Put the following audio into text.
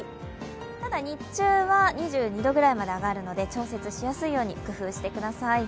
ただ、日中は２２度ぐらいまで上がるので調節しやすいように工夫してください。